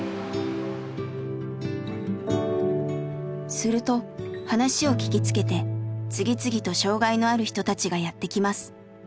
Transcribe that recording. すると話を聞きつけて次々と障害のある人たちがやって来ます。